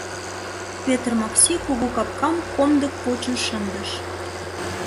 Петр Макси кугу капкам комдык почын шындыш.